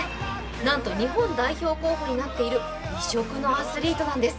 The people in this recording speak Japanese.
なんと日本代表候補になっている異色のアスリートなんです。